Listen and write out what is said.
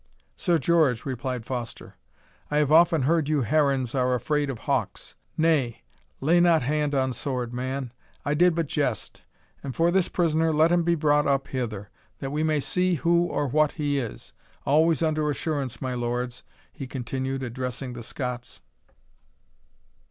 "Sir George," replied Foster, "I have often heard you herons are afraid of hawks Nay, lay not hand on sword, man I did but jest; and for this prisoner, let him be brought up hither, that we may see who or what he is always under assurance, my Lords," he continued, addressing the Scots.